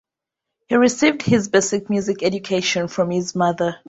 He received his basic music education from his mother.